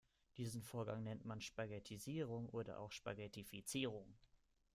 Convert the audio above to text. Diesen Vorgang nennt man Spaghettisierung oder auch Spaghettifizierung.